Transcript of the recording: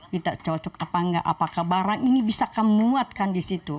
kita cocok apa enggak apakah barang ini bisa kamu muatkan di situ